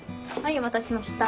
お待たせしました。